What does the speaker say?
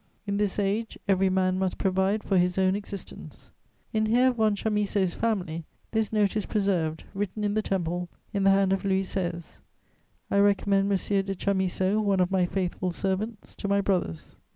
In this age, every man must provide for his own existence." In Herr von Chamisso's family this note is preserved, written in the Temple, in the hand of Louis XVI.: "I recommend M. de Chamisso, one of my faithful servants, to my brothers."